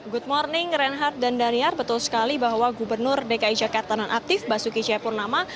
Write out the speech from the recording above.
good morning renhard dan danyar betul sekali bahwa gubernur dki jakarta non aktif basuki cayapurnama